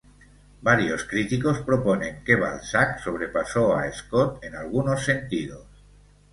Varios críticos proponen que Balzac sobrepasó a Scott en algunos sentidos.